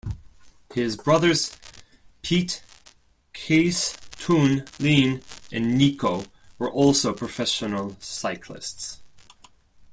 His brothers Piet, Kees, Toon, Leen and Nico were also professional cyclists.